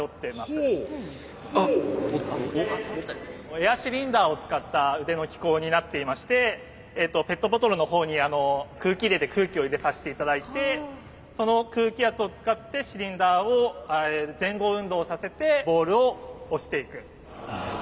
エアシリンダーを使った腕の機構になっていましてペットボトルのほうに空気入れで空気を入れさせていただいてその空気圧を使ってシリンダーを前後運動させてボールを押していく。